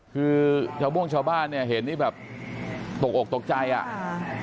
คือชาวโม่งชาวบ้านเนี่ยเห็นนี่แบบตกอกตกใจอ่ะอ่า